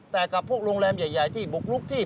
แต่กับพวกโรงแรมใหญ่ที่บุกลุกที่